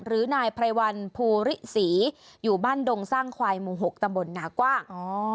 หรือนายไพรวัลภูริศรีอยู่บ้านดงสร้างควายหมู่๖ตำบลนากว้าง